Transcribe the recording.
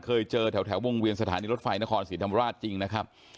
เคยเจอแถววงเวียนสถานีรถไฟนครศรีธรรมราชจริงนะครับ